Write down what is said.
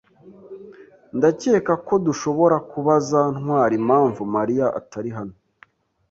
Ndakeka ko dushobora kubaza Ntwali impamvu Mariya atari hano.